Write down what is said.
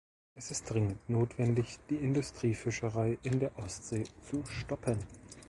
Es ist dringend notwendig, die Industriefischerei in der Ostsee zu stoppen.